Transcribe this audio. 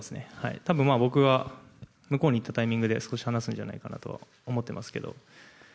たぶん、僕が向こうに行ったタイミングで、少し話すんじゃないかなと思ってますけど。